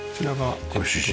ご主人？